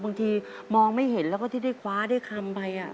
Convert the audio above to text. บางทีมองไม่เห็นแล้วก็ที่ได้คว้าได้คำไป